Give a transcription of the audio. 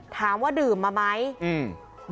ถามว่าดื่มมาไหมอืม